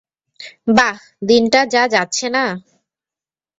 বাহ, দিনটা যা যাচ্ছে না!